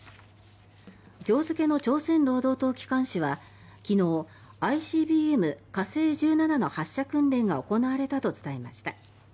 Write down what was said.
今日付の朝鮮労働党機関紙は昨日ＩＣＢＭ、火星１７の発射訓練が行われたと伝えました。